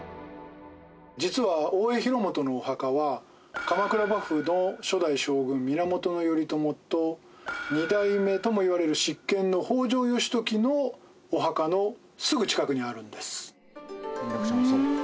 実は大江広元のお墓は鎌倉幕府の初代将軍源頼朝と二代目ともいわれる執権の北条義時のお墓のすぐ近くにあるんです。